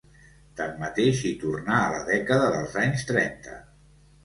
Tanmateix, hi tornà a la dècada dels anys trenta.